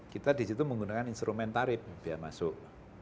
kita di situ menggunakan instrumen tarif biar masuk